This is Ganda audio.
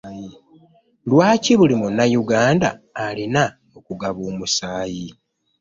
Lwaki buli munnayuganda alina okugaba omusaayi?